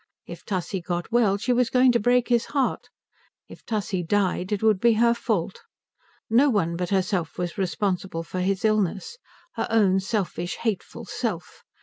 If Tussie got well she was going to break his heart; if Tussie died it would be her fault. No one but herself was responsible for his illness, her own selfish, hateful self.